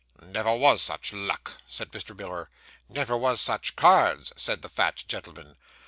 'Never was such luck,' said Mr. Miller. 'Never was such cards,' said the fat gentleman.